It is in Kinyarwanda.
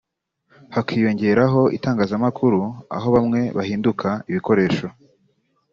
hakiyongeraho itangazamakuru aho bamwe bahinduka ibikoresho